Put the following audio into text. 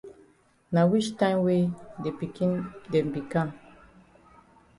Na wich time wey de pikin dem be kam?